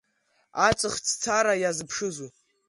Аҵх ҵәцара иазԥшызу?